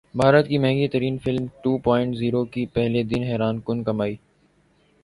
بھارت کی مہنگی ترین فلم ٹو پوائنٹ زیرو کی پہلے دن حیران کن کمائی